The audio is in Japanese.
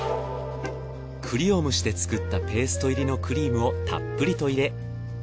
栗を蒸して作ったペースト入りのクリームをたっぷりと入れ